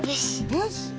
よし。